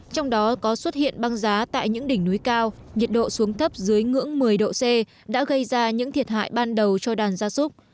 trong đó có xuất hiện băng giá tại những đỉnh núi cao nhiệt độ xuống thấp dưới ngưỡng một mươi độ c đã gây ra những thiệt hại ban đầu cho đàn gia súc